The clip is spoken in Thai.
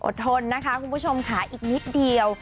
ทนนะคะคุณผู้ชมค่ะอีกนิดเดียว